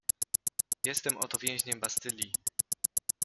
Jestem oto więźniem Bastylii.